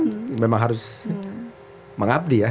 ya penugasan memang harus mengabdi ya